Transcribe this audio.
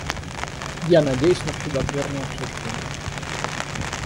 Я надеюсь на плодотворное обсуждение.